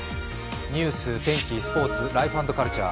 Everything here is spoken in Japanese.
ニュース、スポーツ、ライフ＆カルチャー。